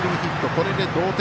これで同点。